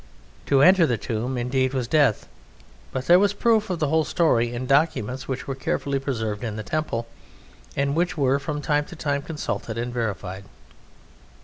To enter the tomb, indeed, was death, but there was proof of the whole story in documents which were carefully preserved in the temple, and which were from time to time consulted and verified.